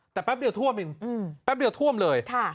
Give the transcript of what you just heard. แต่แป๊บเดียวท่วมอีกแป๊บเดียวท่วมเลย